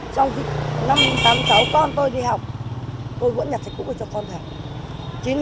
trong khi năm tám mươi sáu con tôi đi học tôi vẫn nhặt sách cũ cho con học